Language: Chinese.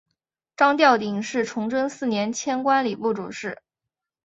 张调鼎是崇祯四年迁官礼部主事。